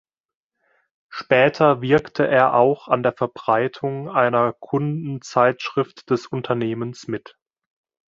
Später wirkte er auch an der Verbreitung einer Kundenzeitschrift des Unternehmens mit.